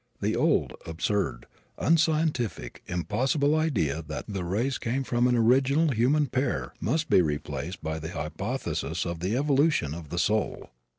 The old, absurd, unscientific, impossible idea that the race came from an original human pair must be replaced by the hypothesis of the evolution of the soul.